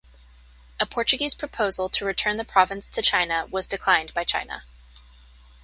A Portuguese proposal to return the province to China was declined by China.